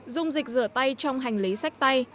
dung dịch rửa tay trong hành lý sách tay